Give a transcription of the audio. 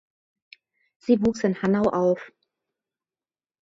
Sie wuchs in Hanau auf.